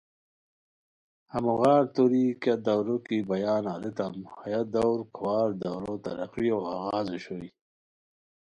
ہموغار توری کیہ دَورو کی بیان اریتام ہیہ دور کھوار دورو ترقیو اغاز اوشوئے